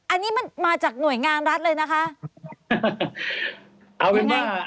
อันนี้มันมาจากหน่วยงานรัฐเลยนะคะเอาง่าย